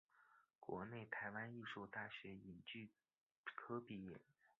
国立台湾艺术大学影剧科毕业。